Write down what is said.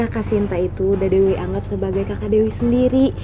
kakak sinta itu udah dewi anggap sebagai kakak dewi sendiri